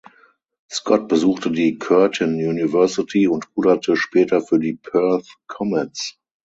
Scott besuchte die Curtin University und ruderte später für die "Perth Comets".